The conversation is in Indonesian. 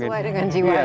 sesuai dengan jiwanya